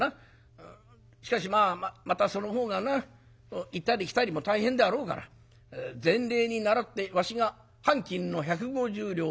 しかしまたその方がな行ったり来たりも大変であろうから前例に倣ってわしが半金の百五十両をもらっておく。